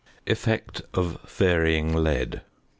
~Effect of Varying Lead.